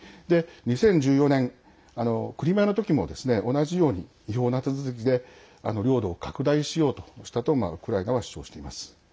２０１４年、クリミアのときも同じように違法な手続きで領土を拡大しようとしたとウクライナは主張しています。